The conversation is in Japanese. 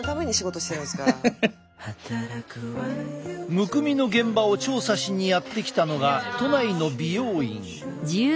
むくみの現場を調査しにやって来たのが都内の美容院。